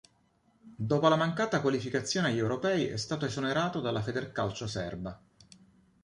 Dopo la mancata qualificazione agli europei è stato esonerato dalla Federcalcio serba.